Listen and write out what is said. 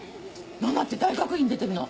ナナって大学院出てるの？